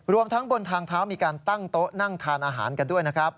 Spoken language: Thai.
รวมทั้งบนทางเท้ามีการตั้งโต๊ะนั่งทานอาหารกันด้วยนะครับ